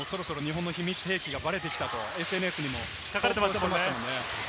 そろそろ日本の秘密兵器がバレてきたとＳＮＳにも書かれていましたよね。